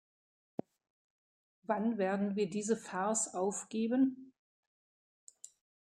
Wann werden wir diese Farce aufgeben?